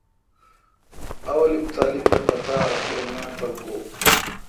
اولوک تعلیم دا پتا سو انگینڈ پر گو۔